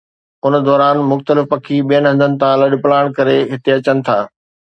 ان دوران مختلف پکي ٻين هنڌن تان لڏپلاڻ ڪري هتي اچن ٿا